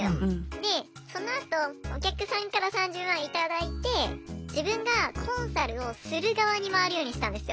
でそのあとお客さんから３０万頂いて自分がコンサルをする側に回るようにしたんですよ。